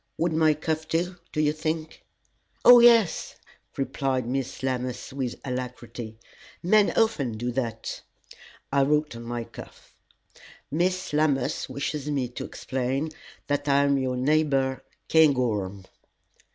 Would my cuff do, do you think?" "Oh, yes!" replied Miss Lammas, with alacrity; "men often do that." I wrote on my cuff: "Miss Lammas wishes me to explain that I am your neighbor, Cairngorm."